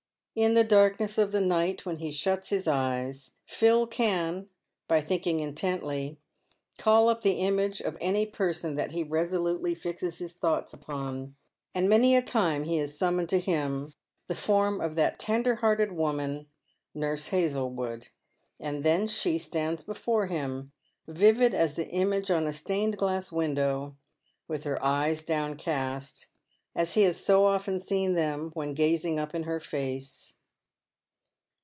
h 2 100 PAVED WITH GOLD. In the darkness of the night when he shuts his eyes, Phil can, by thinking intently, call up the image of any person that he resolutely fixes his thoughts upon, and many a time has he summoned to him the form of that tender hearted woman, Nurse Hazlewood ; and then she stands before him, vivid as the image on a stained glass window, with her eyes downcast, as he has so often seen them when gazing up in her face.